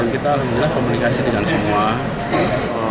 kita alhamdulillah komunikasi dengan semua